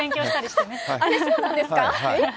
そうなんですか？